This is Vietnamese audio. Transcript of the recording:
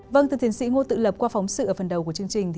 vâng từ thiền sĩ ngô tự lập qua phóng sự ở phần đầu của chương trình